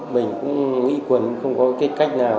mình cũng nghĩ quần không có cái cách nào